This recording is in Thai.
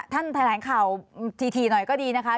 ท่านฐานข่าวทีหน่อยก็ดีนะคะ